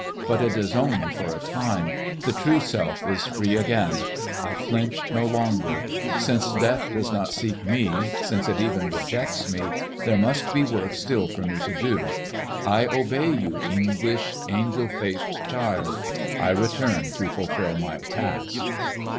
But it is only for a time. The true self is free again. I flinch no longer. Since death does not seek me, since it even rejects me, there must be work still for me to da I obey, you English, angel faced child; I return to fulfil my task."